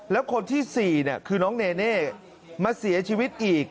แล้วคนที่สี่เนี่ยคือน้องเรน่ามาเสียชีวิตอีก